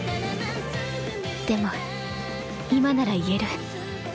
でも今なら言える。